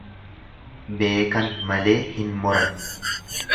Beekan malee hin moran.